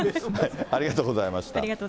ありがとうございます。